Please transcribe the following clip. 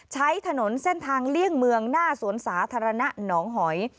ใช้ถนนเส้นทางเลี่ยงเมืองหน้าสวนสาธารณะหนองหอย